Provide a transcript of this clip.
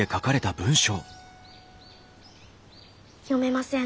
読めません。